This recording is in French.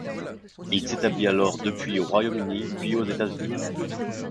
Il s'établit alors depuis au Royaume-Uni puis aux États-Unis.